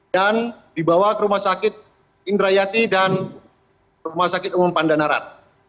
dan dibawa ke rumah sakit indrayati dan rumah sakit umum pandanarat